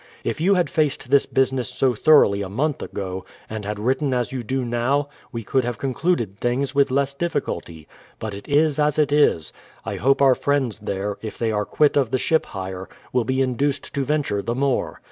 If 3'ou had faced this business so thoroughly a month ago, and had written as you do now, we could have con cluded things with less difficulty. But it is as it is. I hope our friends there, if they are quit of the ship hire, will be induced to venture the more.